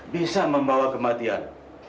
bisa membawa kematian